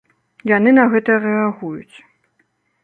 Яны на гэта рэагуюць.